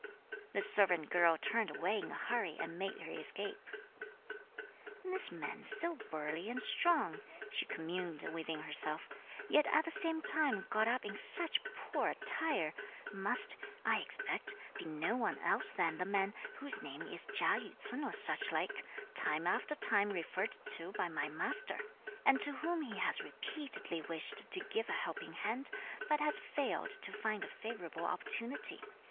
This servant girl turned away in a hurry and made her escape. "This man so burly and strong," she communed within herself, "yet at the same time got up in such poor attire, must, I expect, be no one else than the man, whose name is Chia Yü ts'un or such like, time after time referred to by my master, and to whom he has repeatedly wished to give a helping hand, but has failed to find a favourable opportunity.